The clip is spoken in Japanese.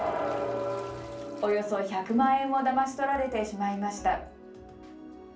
およそ１００万円をだまし取られてしまいました。